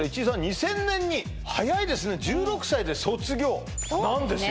２０００年に早いですね１６歳で卒業なんですよ